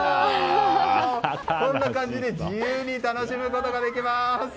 こんな感じで自由に楽しむことができます。